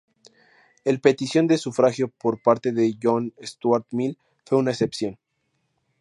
El petición de sufragio por parte de John Stuart Mill fue una excepción.